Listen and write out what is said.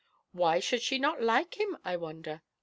"Why should she not like him, I wonder?"